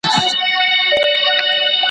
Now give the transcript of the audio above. زه به سبا د تمرينونو بشپړ وکړم